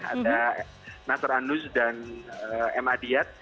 ada nasr anuj dan emma dyat